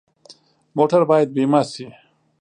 موټر باید بیمه شي.